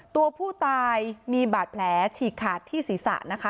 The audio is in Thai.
ตัวผู้ตายมีบาดแผลฉีกขาดที่ศีรษะนะคะ